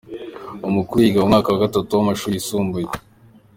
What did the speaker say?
Umukuru yiga mu mwaka wa gatatu w’amashuri yisumbuye.